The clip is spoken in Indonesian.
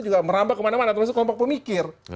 juga merambah kemana mana termasuk kelompok pemikir